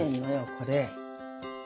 これ。